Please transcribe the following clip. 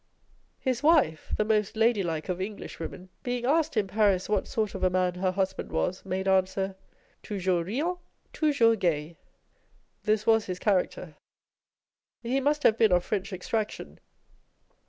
His wife, the most ladylike of Englishwomen, being asked in Paris what sort of a man her husband was, made answer â€" " Toujours riant, toujour* gai" l This was his character. He must have been of French extraction.